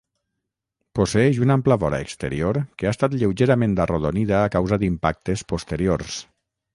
Posseeix una ampla vora exterior que ha estat lleugerament arrodonida a causa d'impactes posteriors.